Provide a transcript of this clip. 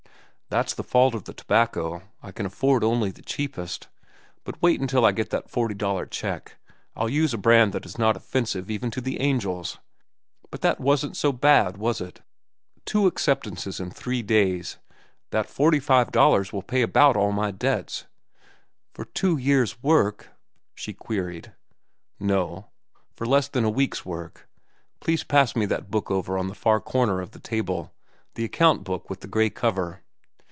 "That's the fault of the tobacco. I can afford only the cheapest. But wait until I get that forty dollar check. I'll use a brand that is not offensive even to the angels. But that wasn't so bad, was it, two acceptances in three days? That forty five dollars will pay about all my debts." "For two years' work?" she queried. "No, for less than a week's work. Please pass me that book over on the far corner of the table, the account book with the gray cover."